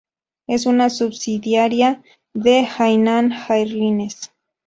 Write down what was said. Es una subsidiaria de Hainan Airlines.